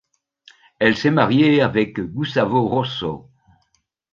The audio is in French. Elle s'est mariée avec Gustavo Rosso.